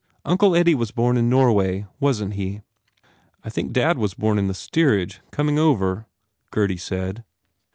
Uncle Eddie was born in Norway, wasn t he?" "I think dad was born in the steerage, coming over," Gurdy said.